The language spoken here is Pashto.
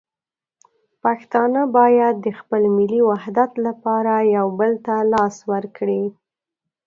پښتانه باید د خپل ملي وحدت لپاره یو بل ته لاس ورکړي.